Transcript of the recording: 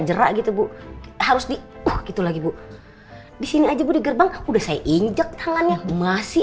jerak gitu bu harus di begitu lagi bu di sini aja di gerbang udah saya injek tangannya masih